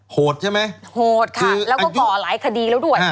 โหดใช่ไหมโหดค่ะแล้วก็ก่อหลายคดีแล้วด้วย